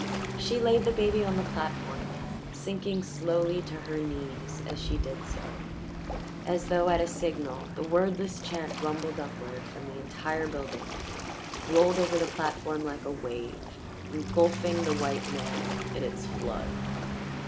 She laid the baby on the platform, sinking slowly to her knees as she did so; as though at a signal the wordless chant rumbled upward from the entire building, rolled over the platform like a wave, engulfing the white man in its flood.